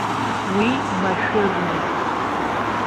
Уи машәырмызт.